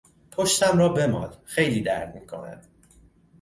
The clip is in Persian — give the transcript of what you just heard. پشتم را بمال خیلی درد میکند.